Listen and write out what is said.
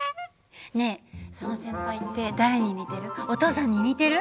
ねえその先輩って誰に似てる？